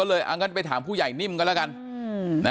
งั้นไปถามผู้ใหญ่นิ่มกันแล้วกัน